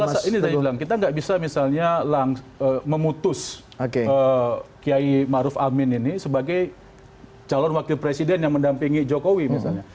ini ada salah satu ini tadi bilang kita nggak bisa misalnya memutus kiai maruf amin ini sebagai calon wakil presiden yang mendampingi jokowi misalnya